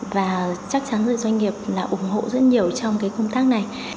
và chắc chắn doanh nghiệp ủng hộ rất nhiều trong công tác này